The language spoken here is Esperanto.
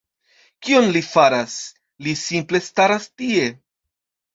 Kion li faras? Li simple staras tie!